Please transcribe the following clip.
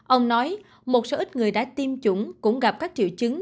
ông nói một số ít người đã tiêm chủng cũng gặp các triệu chứng